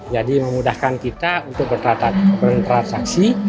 jadi memudahkan kita untuk bertransaksi